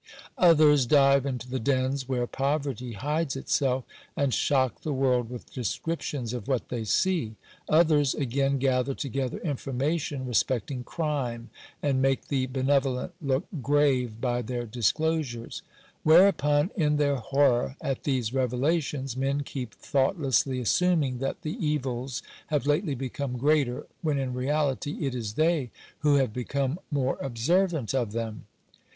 Others dive into the dens where poverty hides itself, and shock the world with descriptions of what they see. Others, again, gather to gether information respecting crime, and make the benevolent look grave by their disclosures. Whereupon, in their horror at these revelations, men keep thoughtlessly assuming that the evils have lately become greater, when in reality it is they who Digitized by VjOOQIC 382 SANITARY SUPERVISION. have become more observant of them.